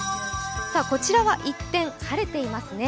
こちらは一転、晴れていますね。